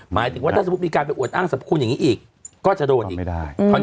หมายถึงว่าถ้าสมมุติมีการไปอวดอ้างสรรพคุณอย่างนี้อีกก็จะโดนอีกไม่ได้